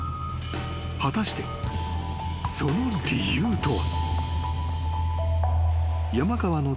［果たしてその理由とは］